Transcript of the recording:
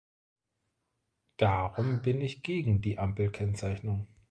Darum bin ich gegen die Ampel-Kennzeichnung.